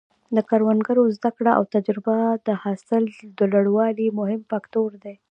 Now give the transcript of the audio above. د کروندګرو زده کړه او تجربه د حاصل د لوړوالي مهم فکتور دی.